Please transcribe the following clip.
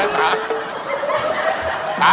พูดมาก